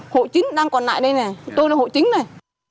hộ chính đang còn lại đây này tôi là hộ chính này